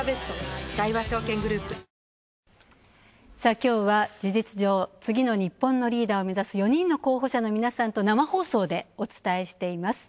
きょうは事実上、次の日本のリーダーを目指す４人の候補者の皆さんと生放送でお伝えしています。